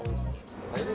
ini kalau ada gap gini